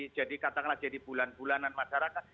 pak anies jadi katakanlah jadi bulan bulanan masyarakat